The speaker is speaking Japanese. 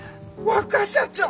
若社長！